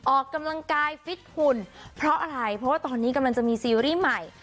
ออกกำลังกายฟิตหุ่นเพราะอะไรเพราะว่าตอนนี้กำลังจะมีซีรีส์ใหม่